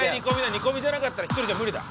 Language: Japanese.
煮込みじゃなかったら１人じゃ無理だ。